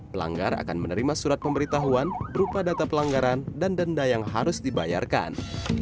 pelanggar akan menerima surat pemberitahuan berupa data pelanggaran dan denda yang harus dibayarkan